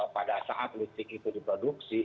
pada saat listrik itu diproduksi